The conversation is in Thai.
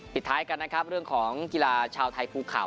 ท้ายกันนะครับเรื่องของกีฬาชาวไทยภูเขา